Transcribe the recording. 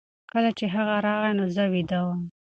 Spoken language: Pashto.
کله چې هغه راغی نو زه ویده وم.